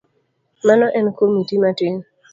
Mano en komiti matin.